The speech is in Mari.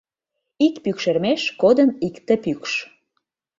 Ик пӱкшермеш кодын икте пӱкш.